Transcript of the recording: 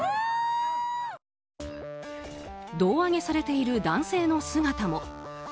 胴上げされている男性の姿も。